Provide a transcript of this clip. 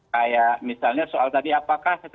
kayak misalnya soal tadi apakah